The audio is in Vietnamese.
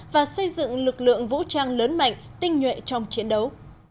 và xây dựng lực lượng vũ trang lớn mạnh tinh nhuệ trong chiến đấu